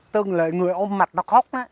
tương lợi người ôm mặt nó khóc